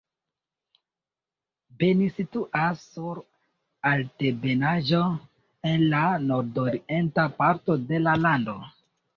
Beni situas sur altebenaĵo en la nordorienta parto de la lando.